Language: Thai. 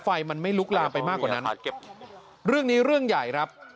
ไฟมันไม่ลุกลามไปมากกว่านั้นเรื่องนี้เรื่องใหญ่ครับ